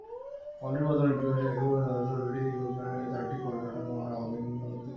পাউলি’র বর্জন নীতি অনুসারে, একই পরমাণুতে অবস্থিত যে কোন দুটি ইলেকট্রনের চারটি কোয়ান্টাম সংখ্যাই অভিন্ন হতে পারে না।